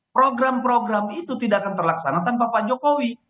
program program itu tidak akan terlaksana tanpa pak jokowi